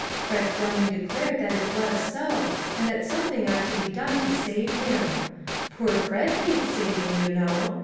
Fred Fleming de clared that it was so, and that something ought to be done to save him. Poor Fred needs saving, you know.